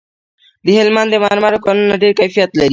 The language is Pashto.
د هلمند د مرمرو کانونه ډیر کیفیت لري